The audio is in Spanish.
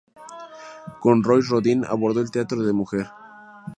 Con Rose Rodin abordó el retrato de mujer.